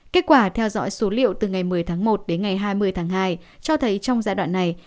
kết quả theo dõi số liệu từ ngày một mươi tháng một đến ngày hai mươi tháng hai cho thấy trong giai đoạn này